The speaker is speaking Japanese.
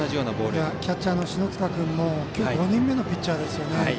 キャッチャーの篠塚君も今日５人目のピッチャーですよね。